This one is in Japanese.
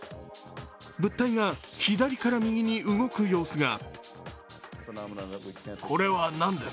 物体が左から右に動く様子が。